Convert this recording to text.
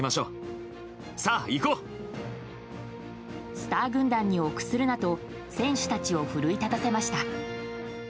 スター軍団に臆するなと選手たちを奮い立たせました。